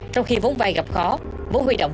trong khi vốn vai gặp khó vốn huy động